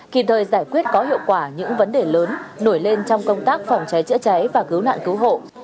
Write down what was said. kịp thời giải quyết có hiệu quả những vấn đề lớn nổi lên trong công tác phòng cháy chữa cháy và cứu nạn cứu hộ